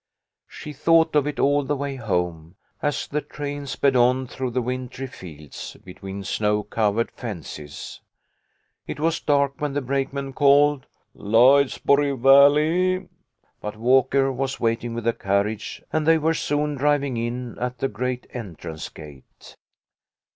She thought of it all the way home, as the train sped on through the wintry fields, between snow covered fences. It was dark when the brakeman called " Lloydsboro Valley," but Walker was waiting with the carriage, and they were soon driving in at the great entrance gate.